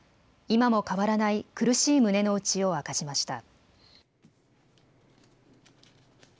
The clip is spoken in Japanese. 今も変わらない苦しい胸の内を明かしました。